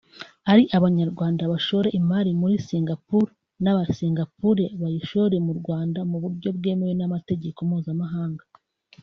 ari abanyarwanda bashore imari muri Singapore n’Abanya-Singapore bayishore mu Rwanda mu buryo bwemewe n’amategeko Mpuzamahanga